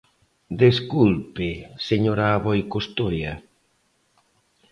Desculpe, señora Aboi Costoia.